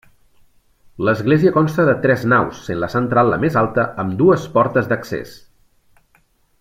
L'església consta de tres naus, sent la central la més alta, amb dues portes d'accés.